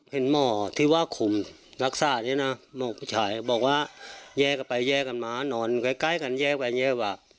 เห็นหมอที่ว่าคุมรักษาเนี่ยนะหมอผู้ชายบอกว่าแย่กันไปแย่กันมานอนใกล้กันแยกกันแย่กว่า